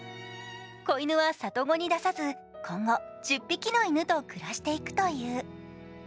小犬は里子に出さず、今後、１０匹の犬と暮らしていくという。